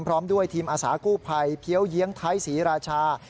พร้อมด้วยทีมอาสากู้ภัยเพี้ยวเยียงไทยศรีราชา